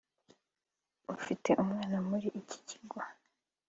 ufite umwana muri iki kigo